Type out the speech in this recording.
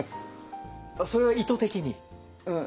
それは意図的に？